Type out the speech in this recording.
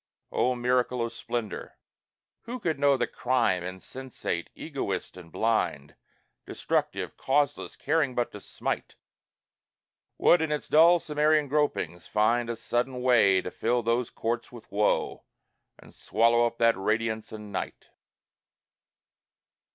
O miracle of splendor! Who could know That Crime, insensate, egoist and blind, Destructive, causeless, caring but to smite, Would in its dull Cimmerian gropings find A sudden way to fill those courts with woe, And swallow up that radiance in night?